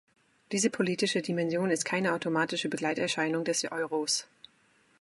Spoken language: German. Diese politische Dimension ist keine automatische Begleiterscheinung des Euros.